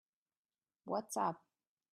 What's up?